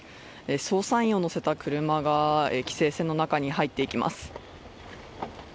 捜査員を乗せた車が、規制線の中に入っていきます。